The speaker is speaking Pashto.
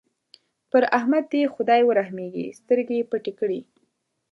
پر احمد دې خدای ورحمېږي؛ سترګې يې پټې کړې.